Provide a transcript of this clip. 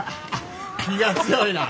気が強いな。